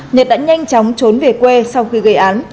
nhật đã nhanh chóng trốn về quê sau khi gây án